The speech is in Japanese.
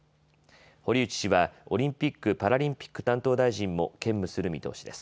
堀内氏はオリンピック・パラリンピック担当大臣も兼務する見通しです。